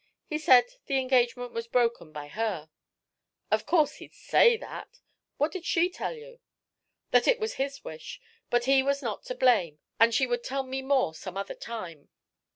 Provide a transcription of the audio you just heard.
He said the engagement was broken by her." "Of course he'd say that. What did she tell you?" "That it was his wish, but he was not to blame, and she would tell me more some other time.